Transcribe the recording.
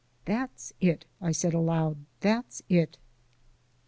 "That's it!" I said aloud; "that's it!